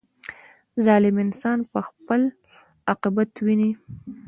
• ظالم انسان به خپل عاقبت ویني.